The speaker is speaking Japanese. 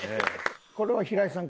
これは平井さん